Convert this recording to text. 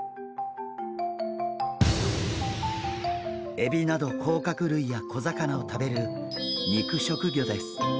エビなどこうかくるいや小魚を食べる肉食魚です。